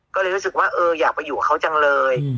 ก็เลยรู้สึกว่าเอออยากไปอยู่กับเขาจังเลย